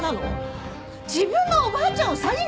自分のおばあちゃんを詐欺にかけたの？